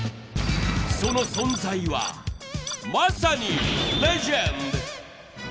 その存在はまさに。